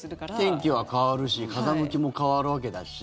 天気は変わるし風向きも変わるわけだし。